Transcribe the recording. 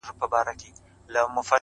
موږ په تيارو كي اوسېدلي يو تيارې خوښـوو،